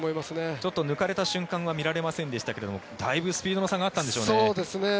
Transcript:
ちょっと抜かれた瞬間は見られませんでしたがだいぶスピードの差があったんでしょうね。